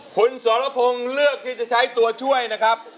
คุณสรพงศ์เลือกที่จะใช้ตัวช่วยนะครับ